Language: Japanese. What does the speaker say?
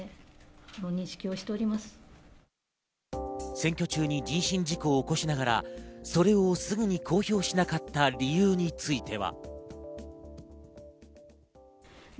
選挙中に人身事故を起こしながら、それをすぐに公表しなかった理由については。